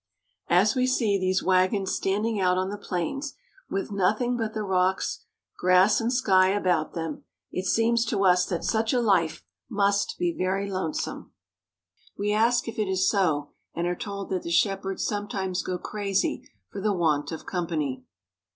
As we see these wagons standing out on the plains, with nothing but the rocks, grass, and sky about them, it seems to us that such a life must be very lonesome. We ask if it is so, and are told that the shepherds sometimes go crazy for the want of company.